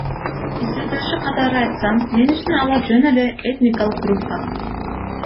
Изилдөөчү катары айтсам, мен үчүн алар — жөн эле этникалык группа.